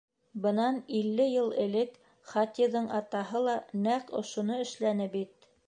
Бынан илле йыл элек Хатиҙың атаһы ла нәҡ ошоно эшләне бит.